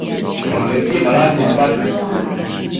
tuhangaikie malazi mavazi na chakula